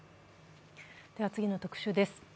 では、次の特集です。